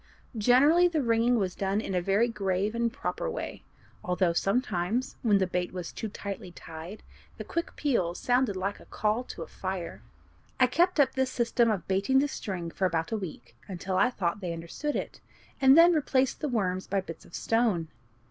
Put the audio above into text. Generally the ringing was done in a very grave and proper way, although sometimes, when the bait was too tightly tied, the quick peals sounded like a call to a fire. I kept up this system of baiting the string for about a week, until I thought they understood it, and then replaced the worms by bits of stone.